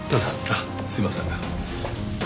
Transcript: ああすいません。